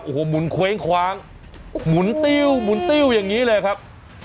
โอ้โหหมุนเคว้งคว้างหมุนติ้วหมุนติ้วอย่างนี้เลยครับ